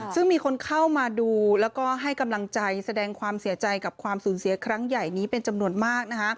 ซึ่งมีคนเข้ามาดูแล้วก็ให้กำลังใจแสดงความเสียใจกับความสูญเสียครั้งใหญ่นี้เป็นจำนวนมาก